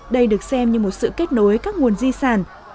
đây được xem như một sự kết nối các nguồn di sản